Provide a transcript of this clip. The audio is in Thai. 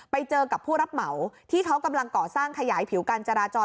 ไปเจอกับผู้รับเหมาที่เขากำลังก่อสร้างขยายผิวการจราจร